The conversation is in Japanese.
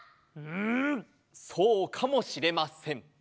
うんそうかもしれません。